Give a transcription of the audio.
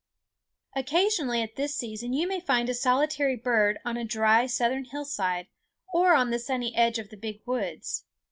Occasionally at this season you may find a solitary bird on a dry southern hillside, or on the sunny edge of the big woods.